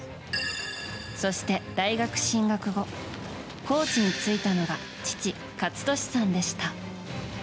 そして大学進学後コーチについたのが父・健智さんでした。